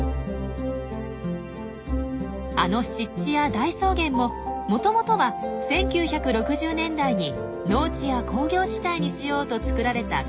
あの湿地や大草原ももともとは１９６０年代に農地や工業地帯にしようと作られた干拓地です。